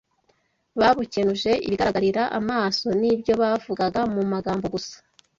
babukenuje ibigaragarira amaso n’ibyo bavugaga mu magambo gusa